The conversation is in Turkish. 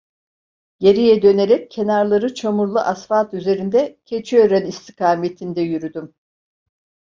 Geriye dönerek kenarları çamurlu asfalt üzerinde Keçiören istikametinde yürüdüm.